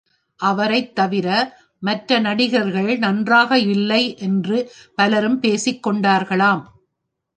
அவரைத் தவிர மற்ற நடிகர்கள் நன்றாயில்லை யென்று பலரும் பேசிக் கொண்டார்களாம்.